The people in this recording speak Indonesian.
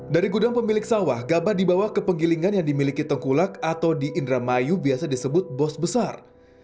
dari gudang pemilik sawah gabah dibawa ke penggilingan yang dimiliki tengkulak atau di indramayu biasa disebut bos besar